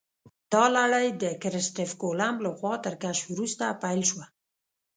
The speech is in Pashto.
دا لړۍ د کریسټف کولمب لخوا تر کشف وروسته پیل شوه.